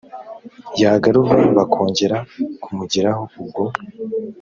yagarurwa bakongera kumugiraho ubwo